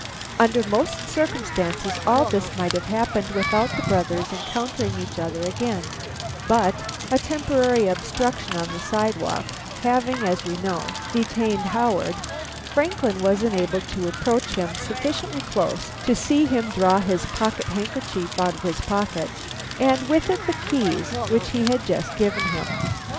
Under most circumstances all this might have happened without the brothers encountering each other again, but a temporary obstruction on the sidewalk having, as we know, detained Howard, Franklin was enabled to approach him sufficiently close to see him draw his pocket handkerchief out of his pocket, and with it the keys which he had just given him.